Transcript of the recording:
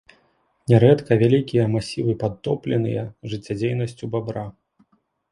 Нярэдка вялікія масівы падтопленыя жыццядзейнасцю бабра.